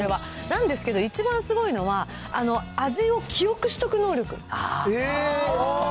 なんですけど、一番すごいのは、あの味を記憶しておく能力。